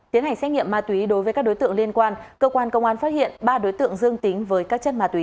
tiến hành xét nghiệm ma túy đối với các đối tượng liên quan cơ quan công an phát hiện ba đối tượng dương tính với các chất ma túy